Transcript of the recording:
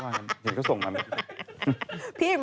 ของหนุ่มก็หน้าหนึ่งแล้ว